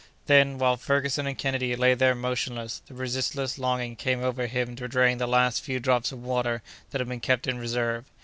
Then, while Ferguson and Kennedy lay there motionless, the resistless longing came over him to drain the last few drops of water that had been kept in reserve.